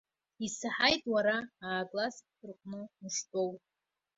Исаҳаит уара аа-класск рҟны уштәоу.